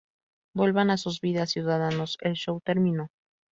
Vuelvan a sus vidas, ciudadanos. El show terminó.